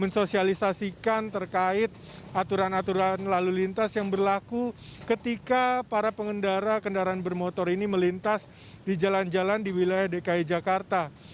mensosialisasikan terkait aturan aturan lalu lintas yang berlaku ketika para pengendara kendaraan bermotor ini melintas di jalan jalan di wilayah dki jakarta